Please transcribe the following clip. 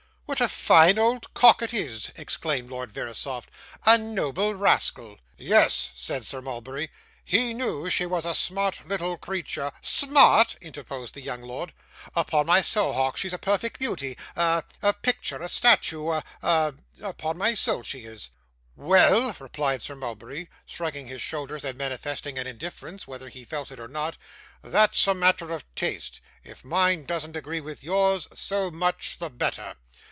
'What a fine old cock it is!' exclaimed Lord Verisopht; 'a noble rascal!' 'Yes,' said Sir Mulberry, 'he knew she was a smart little creature ' 'Smart!' interposed the young lord. 'Upon my soul, Hawk, she's a perfect beauty a a picture, a statue, a a upon my soul she is!' 'Well,' replied Sir Mulberry, shrugging his shoulders and manifesting an indifference, whether he felt it or not; 'that's a matter of taste; if mine doesn't agree with yours, so much the better.